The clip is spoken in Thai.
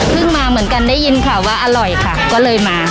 มาเหมือนกันได้ยินข่าวว่าอร่อยค่ะก็เลยมา